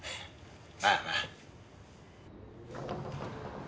まあまあ。